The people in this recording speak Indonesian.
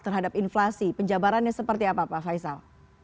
terhadap inflasi penjabarannya seperti apa pak faisal